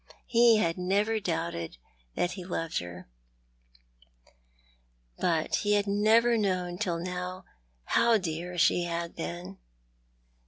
He had never doubted that he loved her ; but he had never known till now how dear she hail been.